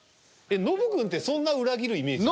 ノブくんってそんな裏切るイメージ？